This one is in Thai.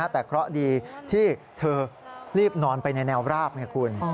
แต่เคราะห์ดีที่เธอรีบนอนไปในแนวรากไงคุณ